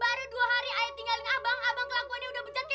baru dua hari aku tinggalin abang abang kelakuannya udah becet kayak begini